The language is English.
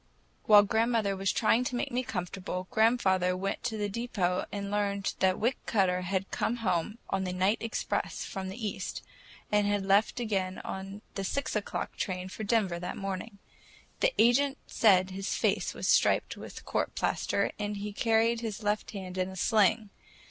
While grandmother was trying to make me comfortable, grandfather went to the depot and learned that Wick Cutter had come home on the night express from the east, and had left again on the six o'clock train for Denver that morning. The agent said his face was striped with court plaster, and he carried his left hand in a sling.